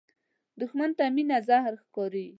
دښمن ته مینه زهر ښکاري